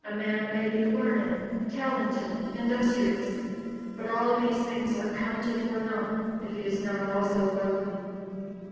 A man may be learned, talented, industrious; but all these things are counted for naught if he is not also wealthy.